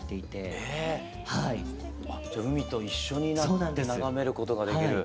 じゃ海と一緒になって眺めることができる。